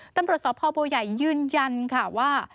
ตำรวจสอบพ่อโบไยยยืนยันค่ะว่า